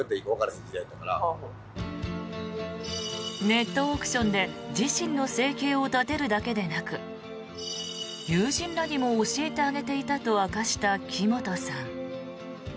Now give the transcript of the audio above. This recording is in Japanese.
ネットオークションで自身の生計を立てるだけでなく友人らにも教えてあげていたと明かした木本さん。